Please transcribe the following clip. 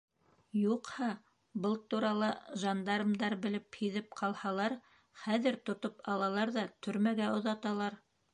Юҡһа был турала жандармдар, белеп, һиҙеп ҡалһалар, хәҙер тотоп алалар ҙа төрмәгә оҙаталар.